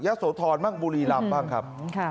ยะโสธรบุรีรับบ้างครับ